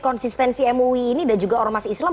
konsistensi mui ini dan juga ormas islam